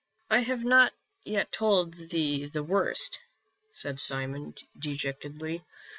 " I have not yet told thee the worst," said Simon, dejectedly.